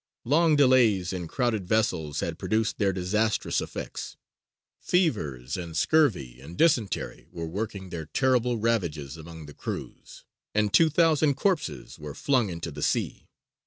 Long delays in crowded vessels had produced their disastrous effects: fevers and scurvy and dysentery were working their terrible ravages among the crews, and two thousand corpses were flung into the sea.